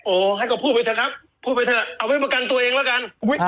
โอ้โหให้เขาพูดไปเถอะครับพูดไปเถอะเอาไว้ประกันตัวเองแล้วกัน